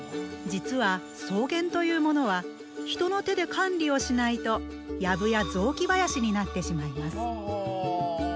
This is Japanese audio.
実は草原というものは人の手で管理をしないとやぶや雑木林になってしまいます。